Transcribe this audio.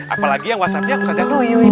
apalagi yang whatsappnya aku saja